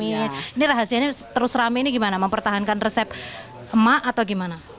ini rahasianya terus rame ini gimana mempertahankan resep emak atau gimana